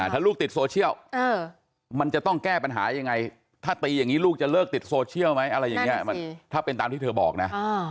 ถ้าลูกติดโซเชียลมันจะต้องแก้ปัญหายังไงถ้าตีอย่างนี้ลูกจะเลิกติดโซเชียลไหมอะไรอย่างนี้ถ้าเป็นตามที่เธอบอกนะ